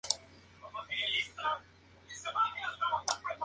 Arte y Arena'.